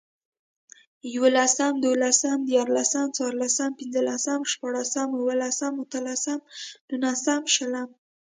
ېولسم، دولسم، ديارلسم، څوارلسم، پنځلسم، شپاړسم، اوولسم، اتلسم، نولسم، شلم